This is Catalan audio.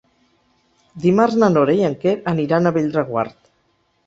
Dimarts na Nora i en Quer aniran a Bellreguard.